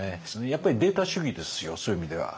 やっぱりデータ主義ですよそういう意味では。